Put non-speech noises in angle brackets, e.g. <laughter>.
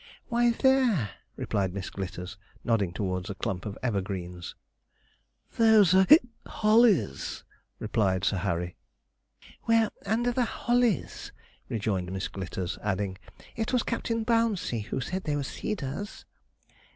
'Why there,' replied Miss Glitters, nodding towards a clump of evergreens. 'Those are <hiccups> hollies,' replied Sir Harry. 'Well, under the hollies,' rejoined Miss Glitters; adding, 'it was Captain Bouncey who said they were cedars.'